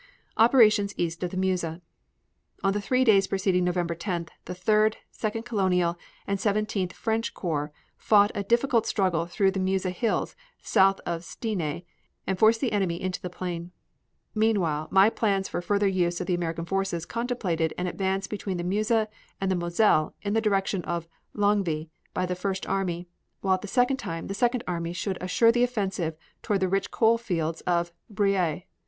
OPERATIONS EAST OF THE MEUSE On the three days preceding November 10th, the Third, the Second Colonial, and the Seventeenth French corps fought a difficult struggle through the Meuse Hills south of Stenay and forced the enemy into the plain. Meanwhile, my plans for further use of the American forces contemplated an advance between the Meuse and the Moselle in the direction of Longwy by the First Army, while, at the same time, the Second Army should assure the offensive toward the rich coal fields of Briey.